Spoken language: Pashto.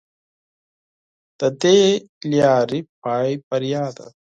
د دې لارې پای بریا ده.